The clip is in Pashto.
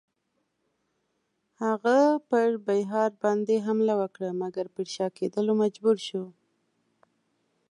هغه پر بیهار باندی حمله وکړه مګر پر شا کېدلو مجبور شو.